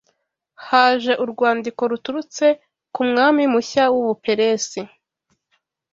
haje urwandiko ruturutse ku mwami mushya w’u Buperesi